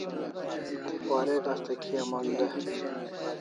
Warek asta kia mon de